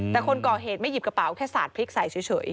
แต่คนก่อเหตุไม่หยิบกระเป๋าแค่สาดพริกใส่เฉย